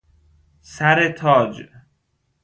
سر تاج